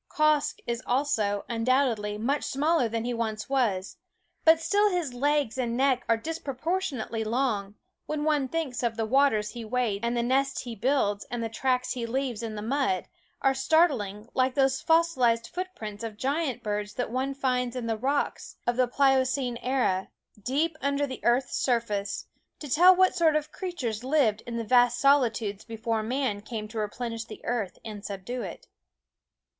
Quoskh is also, undoubtedly, much smaller than he once THE WOODS was; but still his legs and neck are dispro portionately long, when one thinks of the ^,, waters he wades and the nest he builds ^^/Ceen Eyed and the tracks he leaves in the mud are startlingly like those fossilized footprints of giant birds that one finds in the rocks of the Pliocene era, deep under the earth's surface, to tell what sort of creatures lived in the vast solitudes before man came to replenish the earth and subdue it.